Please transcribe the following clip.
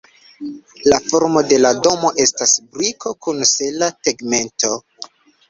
La formo de la domo estas briko kun sela tegmento.